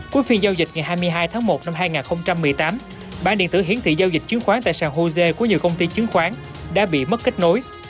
cuối phiên giao dịch ngày hai mươi hai tháng một năm hai nghìn một mươi tám bán điện tử hiến thị giao dịch chứng khoán tại sàng hồ sê của nhiều công ty chứng khoán đã bị mất kết nối